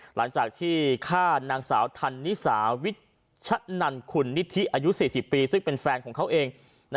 หลังจากที่ฆ่านางสาวธันนิสาวิชชะนันคุณนิธิอายุ๔๐ปีซึ่งเป็นแฟนของเขาเอง